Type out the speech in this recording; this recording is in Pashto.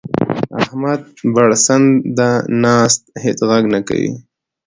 احمد پړسنده ناست؛ هيڅ ږغ نه کوي.